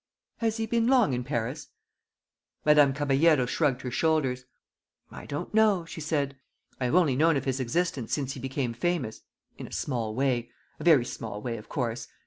"Has he been long in Paris?" Madame Caballero shrugged her shoulders. "I don't know," she said. "I have only known of his existence since he became famous in a small way a very small way, of course.